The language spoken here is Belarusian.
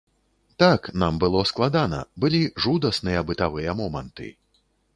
Так, нам было складана, былі жудасныя бытавыя моманты.